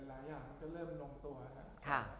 มันก็เริ่มลงตัวครับ